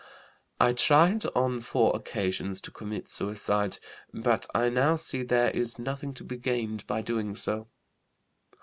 ] "I tried on four occasions to commit suicide, but I now see there is nothing to be gained by doing so.